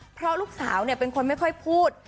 เพราะลูกสาวเป็นคนไม่ค่อยพูด